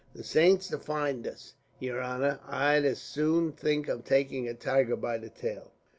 "The saints defind us, yer honor! I'd as soon think of taking a tiger by the tail.